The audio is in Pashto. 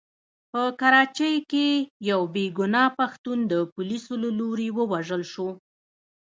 په کراچۍ کې يو بې ګناه پښتون د پوليسو له لوري ووژل شو.